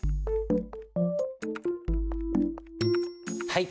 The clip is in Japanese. はい。